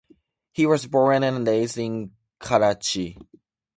He was born and raised in Karachi.